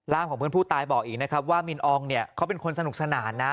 ของเพื่อนผู้ตายบอกอีกนะครับว่ามินอองเนี่ยเขาเป็นคนสนุกสนานนะ